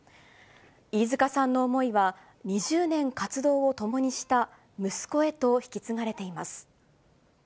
飯塚さんの思いは、２０年活動を共にした息子へと引き継がれています。